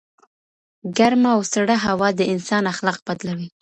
ګرمه او سړه هوا د انسان اخلاق بدلوي.